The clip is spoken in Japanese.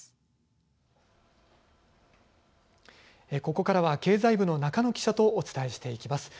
ここからは経済部の中野記者とお伝えしていきます。